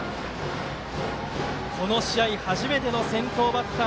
この試合初めての先頭バッター